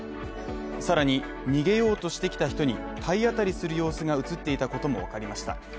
さらに逃げようとしてきた人に体当たりする様子が映っていたこともわかりました。